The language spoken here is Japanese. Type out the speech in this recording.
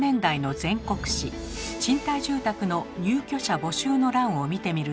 賃貸住宅の入居者募集の欄を見てみると。